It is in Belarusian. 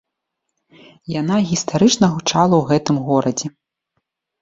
Яна гістарычна гучала ў гэтым горадзе.